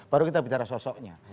baru kita bicara sosoknya